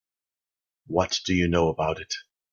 What do you know about it?